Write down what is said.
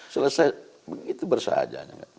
selesai begitu bersahaja